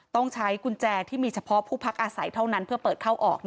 ต้องใช้กุญแจที่มีเฉพาะผู้พักอาศัยเท่านั้นเพื่อเปิดเข้าออก